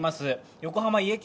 横浜家系